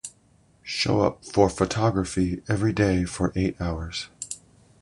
Show up for photography every day for eight hours.